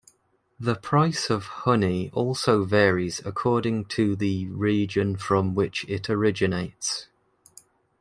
The price of honey also varies according to the region from which it originates.